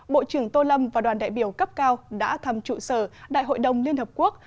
bộ trưởng tô lâm và đoàn đại biểu cấp cao đã thăm trụ sở đại hội đồng liên hợp quốc